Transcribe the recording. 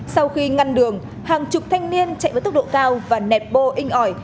sau khi ngăn đường hàng chục thanh niên chạy với tốc độ cao và nẹp bô inh ỏi